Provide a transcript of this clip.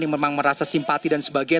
yang memang merasa simpati dan sebagainya